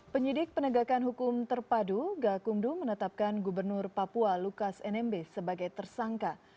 penyidik penegakan hukum terpadu gakumdu menetapkan gubernur papua lukas nmb sebagai tersangka